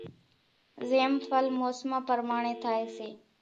زيم ڦل موسمان پرماڻي ٿائي سي۔